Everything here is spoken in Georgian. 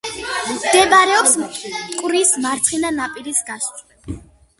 მდებარეობს მტკვრის მარცხენა ნაპირის გასწვრივ.